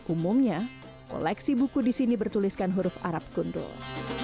umumnya koleksi buku di sini bertuliskan huruf arab gundul